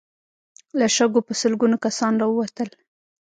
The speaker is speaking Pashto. له شګو په سلګونو کسان را ووتل.